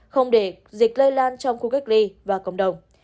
không để dịch lây lan trong khu cách ly và cộng đồng